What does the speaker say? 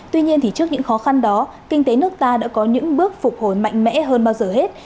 tuy nhiên trước những khó khăn đó kinh tế nước ta đã có những bước phục hồi mạnh mẽ hơn bao giờ hết